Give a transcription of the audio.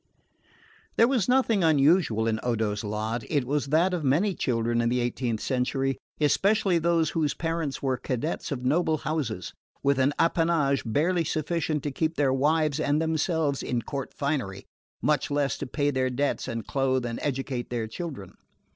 There was nothing unusual in Odo's lot. It was that of many children in the eighteenth century, especially those whose parents were cadets of noble houses, with an appanage barely sufficient to keep their wives and themselves in court finery, much less to pay their debts and clothe and educate their children.